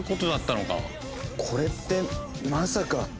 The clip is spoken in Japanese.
これってまさか。